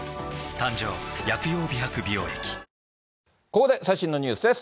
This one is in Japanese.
ここで最新のニュースです。